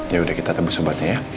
ya udah kita tembus obatnya ya